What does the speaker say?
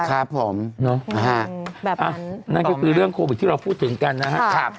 ครับผมเนาะนั่นก็คือเรื่องโควิดที่เราพูดถึงกันนะครับ